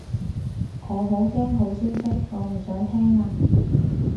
我好驚好消息，我唔想聽啊